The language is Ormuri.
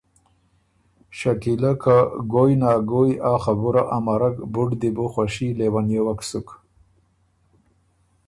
شکیله که ګویٛ نا ګویٛ آ خبُره امرک بُډ دی بو خوشی لیونئېوک سُک